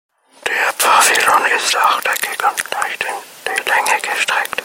Der Pavillon ist achteckig und leicht in die Länge gestreckt.